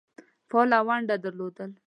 فعاله ونډه درلوده.